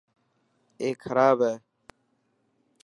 اي کراب هي.